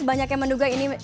banyak yang menduga ini